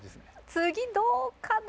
次どうかな？